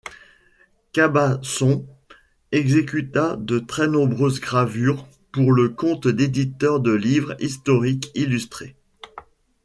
Cabasson exécuta de très nombreuses gravures pour le compte d'éditeurs de livres historiques illustrés.